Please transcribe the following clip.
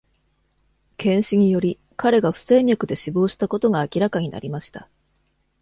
検視により、彼が不整脈で死亡したことが明らかになりました。